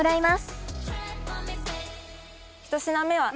１品目は。